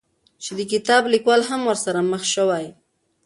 چې د کتاب ليکوال هم ورسره مخ شوى،